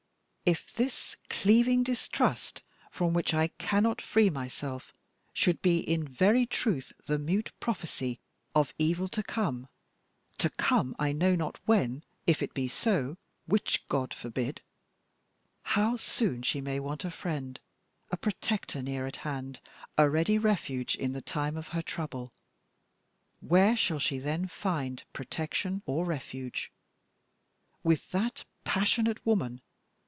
"If this cleaving distrust from which I cannot free myself should be in very truth the mute prophecy of evil to come to come, I know not when if it be so (which God forbid!), how soon she may want a friend, a protector near at hand, a ready refuge in the time of her trouble! Where shall she then find protection or refuge? With that passionate woman?